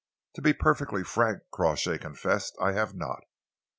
"To be perfectly frank," Crawshay confessed, "I have not.